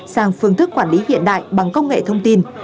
sang phương thức quản lý hiện đại bằng công nghệ thông tin